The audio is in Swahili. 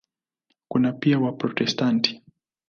Kuna pia Waprotestanti.